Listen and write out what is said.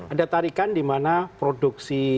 ada tarikan dimana produksi